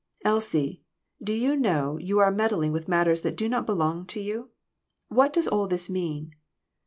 " Elsie, do you know you are meddling with matters that do not belong to you ? What does all this mean